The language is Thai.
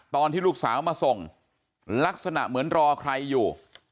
ตอนที่ลูกสาวมาส่งลักษณะเหมือนรอใครอยู่